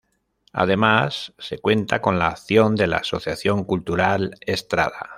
Además se cuenta con la acción de la Asociación Cultural Estrada.